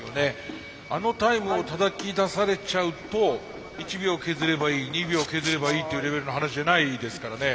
あのタイムをたたき出されちゃうと１秒削ればいい２秒削ればいいっていうレベルの話じゃないですからね。